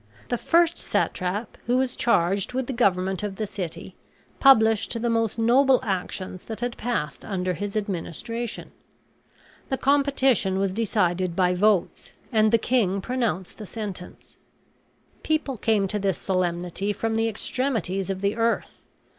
The first satrap, who was charged with the government of the city, published the most noble actions that had passed under his administration. The competition was decided by votes; and the king pronounced the sentence. People came to this solemnity from the extremities of the earth.